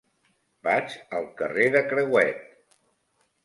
Vaig al carrer de Crehuet.